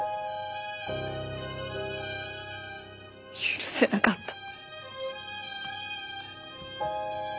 許せなかった。